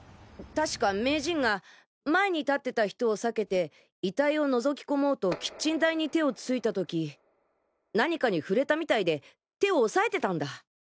確か名人が前に立ってた人を避けて遺体をのぞき込もうとキッチン台に手をついた時何かに触れたみたいで手を押さえてたんだ。